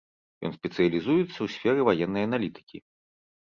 Ён спецыялізуецца ў сферы ваеннай аналітыкі.